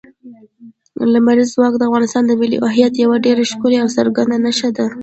لمریز ځواک د افغانستان د ملي هویت یوه ډېره ښکاره او څرګنده نښه ده.